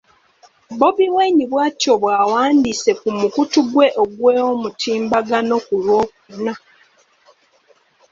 Bobi Wine bw’atyo bw’awandiise ku mukutu gwe ogw’omutimbagano ku Lwokuna.